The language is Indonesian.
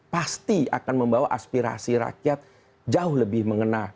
pasti akan membawa aspirasi rakyat jauh lebih mengenal